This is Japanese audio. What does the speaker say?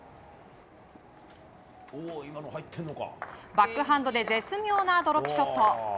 バックハンドで絶妙なドロップショット。